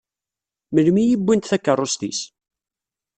Melmi i wwint takeṛṛust-is?